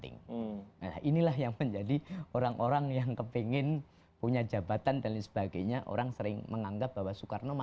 nah ini akan bergerak